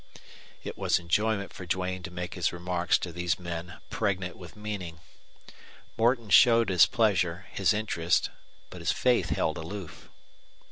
It was enjoyment for Duane to make his remarks to these men pregnant with meaning. Morton showed his pleasure, his interest, but his faith held aloof.